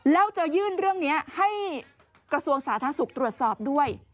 แล้วจะยื่นเรื่องนี้ให้กระทรวงสาธารณสุขตรวจสอบด้วย